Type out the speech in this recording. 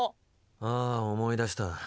ああ思い出した。